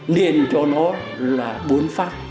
liền cho nó là bốn phát